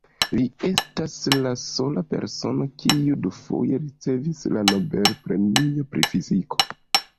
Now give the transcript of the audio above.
Li estas la sola persono, kiu dufoje ricevis la Nobel-premion pri fiziko.